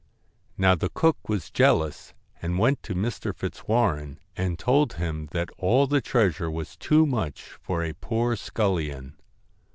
Now the cook was jealous and went to Mr. Fitz warren and told him that all the treasure was too much for a poor scullion.